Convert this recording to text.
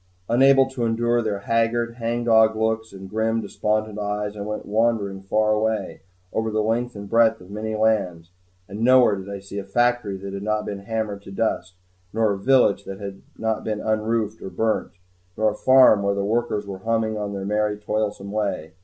Unable to endure their haggard, hangdog looks and grim, despondent eyes, I went wandering far away, over the length and breadth of many lands. And nowhere did I see a factory that had not been hammered to dust, nor a village that had not been unroofed or burnt, nor a farm where the workers went humming on their merry, toilsome way.